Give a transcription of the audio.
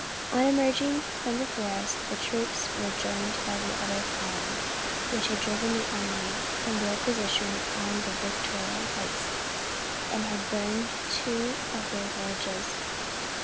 On emerging from the forest the troops were joined by the other column, which had driven the enemy from their position on the Victoria heights, and had burned two of their villages.